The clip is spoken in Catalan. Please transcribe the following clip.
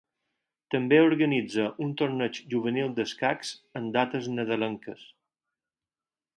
També organitza un torneig juvenil d'escacs en dates nadalenques.